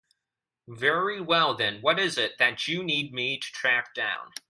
Very well then, what is it that you need me to track down?